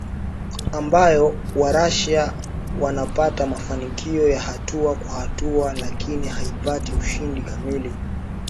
Ambayo wa-Russia wanapata mafanikio ya hatua kwa hatua lakini haipati ushindi kamili